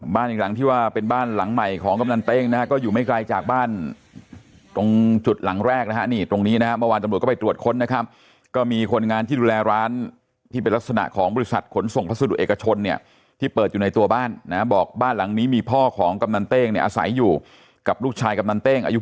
อีกหลังที่ว่าเป็นบ้านหลังใหม่ของกำนันเต้งนะฮะก็อยู่ไม่ไกลจากบ้านตรงจุดหลังแรกนะฮะนี่ตรงนี้นะฮะเมื่อวานตำรวจก็ไปตรวจค้นนะครับก็มีคนงานที่ดูแลร้านที่เป็นลักษณะของบริษัทขนส่งพัสดุเอกชนเนี่ยที่เปิดอยู่ในตัวบ้านนะบอกบ้านหลังนี้มีพ่อของกำนันเต้งเนี่ยอาศัยอยู่กับลูกชายกำนันเต้งอายุ